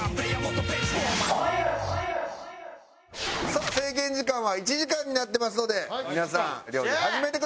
さあ制限時間は１時間になってますので皆さん料理始めてくださーい！